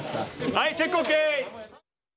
はいチェックＯＫ！